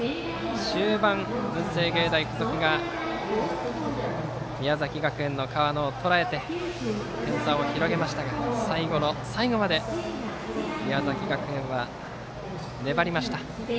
終盤、文星芸大付属が宮崎学園の河野をとらえて点差を広げましたが最後の最後まで宮崎学園は粘りました。